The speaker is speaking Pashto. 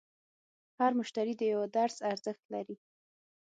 هر مشتری د یوه درس ارزښت لري.